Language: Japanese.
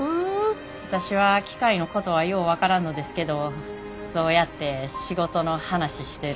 私は機械のことはよう分からんのですけどそうやって仕事の話してる夫の顔が好きで。